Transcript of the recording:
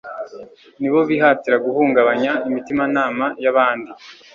ni bo bihatira guhungabanya imitimanama y'abandi;